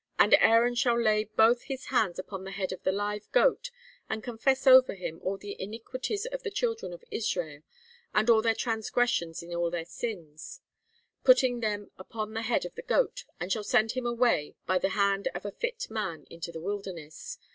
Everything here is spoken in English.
'And Aaron shall lay both his hands upon the head of the live goat, and confess over him all the iniquities of the children of Israel, and all their transgressions in all their sins, putting them upon the head of the goat, and shall send him away by the hand of a fit man into the wilderness.